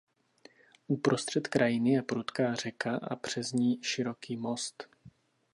Uprostřed krajiny je prudká řeka a přes ni široký most.